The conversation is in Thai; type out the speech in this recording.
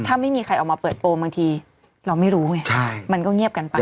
ถ้าไม่มีใครออกมาเปิดโปรบางทีเราไม่รู้ไงมันก็เงียบกันไป